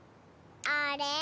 あれ？